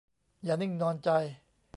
อย่านิ่งนอนใจ